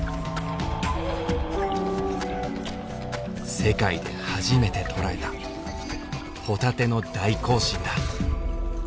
世界で初めて捉えたホタテの大行進だ。